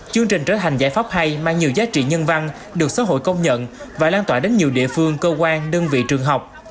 chương trình trở thành giải pháp hay mang nhiều giá trị nhân văn được xã hội công nhận và lan tỏa đến nhiều địa phương cơ quan đơn vị trường học